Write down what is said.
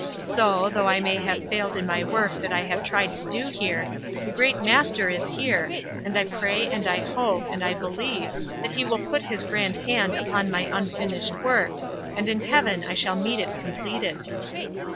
So, though I may have failed in my work that I have tried to do here, the great Master is here, and I pray and I hope and I believe that he will put his grand hand upon my unfinished work and in heaven I shall meet it completed.'"